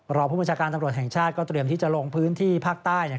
หลวงผู้บุจจกรต่ำรวชแห่งชาติกันที่จะลงพื้นที่ภาคใต้